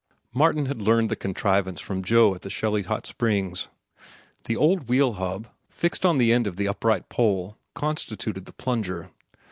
Martin had learned the contrivance from Joe at the Shelly Hot Springs. The old wheel hub, fixed on the end of the upright pole, constituted the plunger.